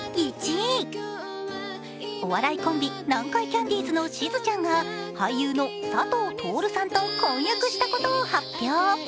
お笑いコンビ、南海キャンディーズのしずちゃんが俳優の佐藤達さんと婚約したことを発表。